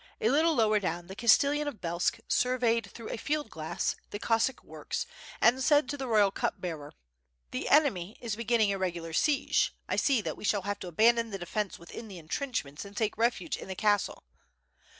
A little lower down the Castellan of Belsk surveyed through a field glass the Cossack works, and said to the royal cup bearer: "The enemy is beginning a regular siege, I see that we shall have to abandon the defense within the intrenchments and take refuge in the castle."